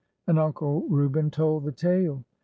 " And Uncle Reuben told the tale.